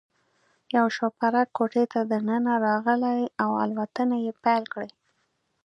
یو شوپرک کوټې ته دننه راغلی او الوتنې یې پیل کړې.